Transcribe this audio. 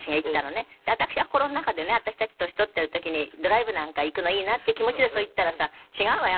私は心の中でね私たち年取ってる時にドライブなんか行くのいいなっていう気持ちでそう言ったら違うわよ